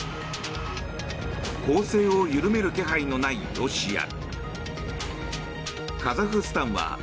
攻勢を緩める気配のないロシア。